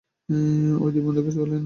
ওই দুই বন্ধুকে বলেন তারানাথ।